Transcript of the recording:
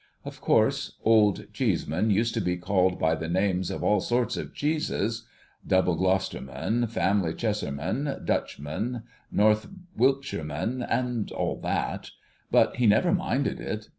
Of course Old Cheeseman used to be called by the names of all sorts of cheeses — Double Glo'sterman, Family Cheshireman, Dutch man, North ^Viltshireman, and all that. But he never minded it.